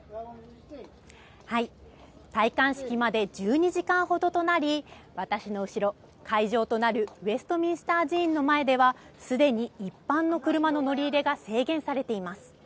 戴冠式まで１２時間ほどとなり、私の後ろ、会場となるウェストミンスター寺院の前では、すでに一般の車の乗り入れが制限されています。